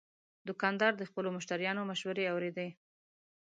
دوکاندار د خپلو مشتریانو مشورې اوري.